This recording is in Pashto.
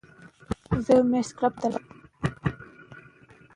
هغه د ولس په منځ کي محبوبیت درلود.